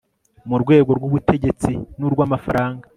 mu rwego rw ubutegetsi n urw amafaranga